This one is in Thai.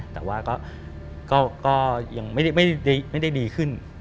แต่ว่าก็ยังไม่ได้ดีขึ้น